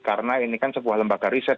karena ini kan sebuah lembaga riset